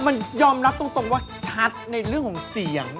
มันยอมรับตรงว่าชัดในเรื่องของเสียง